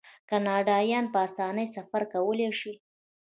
کاناډایان په اسانۍ سفر کولی شي.